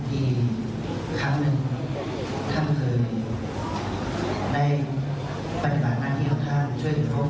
ที่ครั้งนึงท่านเคยได้ปฏิบัติหน้าที่เราท่านช่วยถึงพวกคุณ